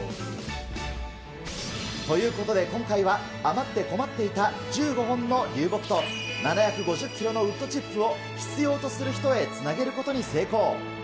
ということで、今回は余って困っていた１５本の流木と、７５０キロのウッドチップを必要とする人へつなげることに成功。